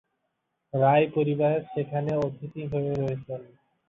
রায় পরিবার সেখানে অতিথি হয়ে রয়েছেন।